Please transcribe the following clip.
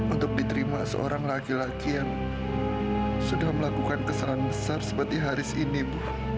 untuk diterima seorang laki laki yang sudah melakukan kesalahan besar seperti haris ini bu